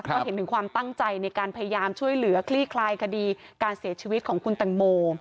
ก็เห็นถึงความตั้งใจในการพยายามช่วยเหลือคลี่คลายคดีการเสียชีวิตของคุณแตงโม